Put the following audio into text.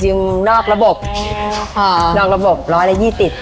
จริงนอกระบบนอกระบบร้อยละยี่ติด